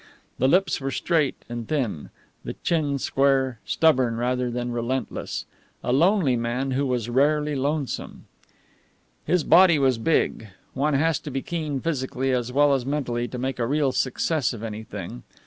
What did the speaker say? The lips were straight and thin, the chin square stubborn rather than relentless. A lonely man who was rarely lonesome. His body was big. One has to be keen physically as well as mentally to make a real success of anything.